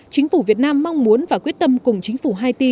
chính phủ việt nam mong muốn và quyết tâm cùng chính phủ haiti